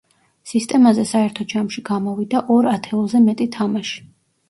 სისტემაზე საერთო ჯამში გამოვიდა ორ ათეულზე მეტი თამაში.